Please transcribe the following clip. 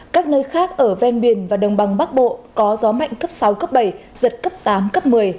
các nơi khác ở ven biển và đồng bằng bắc bộ có gió mạnh cấp sáu cấp bảy giật cấp tám cấp một mươi